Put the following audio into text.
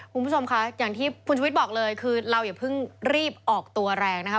คุณผู้ชมคะอย่างที่คุณชุวิตบอกเลยคือเราอย่าเพิ่งรีบออกตัวแรงนะคะ